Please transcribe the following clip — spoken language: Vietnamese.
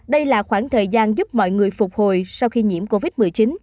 đây là khoảng thời gian giúp mọi người phục hồi sau khi nhiễm covid một mươi chín